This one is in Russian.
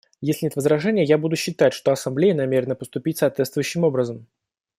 Если нет возражений, я буду считать, что Ассамблея намерена поступить соответствующим образом.